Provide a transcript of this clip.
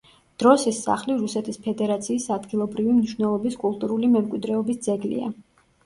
დროსის სახლი რუსეთის ფედერაციის ადგილობრივი მნიშვნელობის კულტურული მემკვიდრეობის ძეგლია.